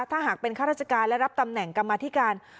ถ้าหากเป็นข้าราชการและรับตำแหน่งกรรมธิการ